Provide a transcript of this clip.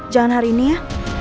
jangan hari ini ya